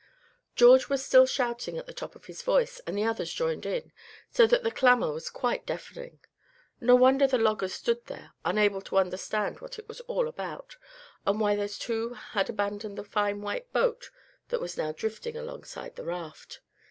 George was still shouting at the top of his voice, and the others joined in, so that the clamor was quite deafening. No wonder the loggers stood there unable to understand what it was all about, and why those two had abandoned the fine white boat that was now drifting alongside the raft.